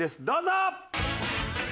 どうぞ！